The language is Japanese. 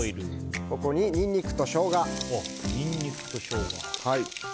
ここに、ニンニクとショウガ。